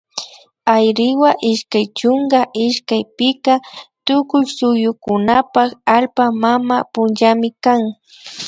Ayriwa ishkay chunka ishkay pika tukuy suyukunapak allpa mama punllami kan